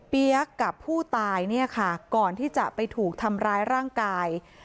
เปี๊ยกกับผู้ตายเนี่ยค่ะก่อนที่จะไปถูกทำร้ายร่างกาย